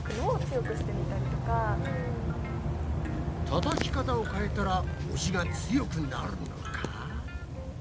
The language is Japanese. たたき方を変えたら押しが強くなるのか？